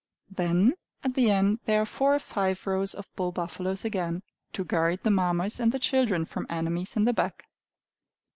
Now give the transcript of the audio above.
Then at the end there are four or five rows of bull buffaloes again, to guard the Mammas and the children from enemies in the back.